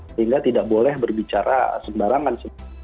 sehingga tidak boleh berbicara sembarangan